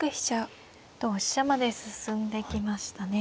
同飛車まで進んできましたね。